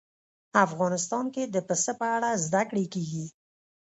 افغانستان کې د پسه په اړه زده کړه کېږي.